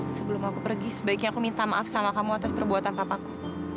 sebelum aku pergi sebaiknya aku minta maaf sama kamu atas perbuatan papaku